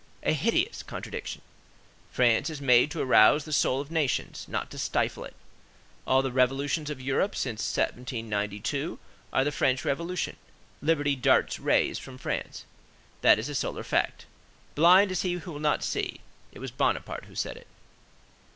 A hideous contradiction. France is made to arouse the soul of nations, not to stifle it. All the revolutions of Europe since 1792 are the French Revolution: liberty darts rays from France. That is a solar fact. Blind is he who will not see! It was Bonaparte who said it.